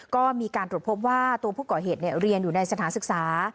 ก็มีการตรวจพบว่าตัวผู้ก่อเหตุเรียนอยู่ในสถานศึกษา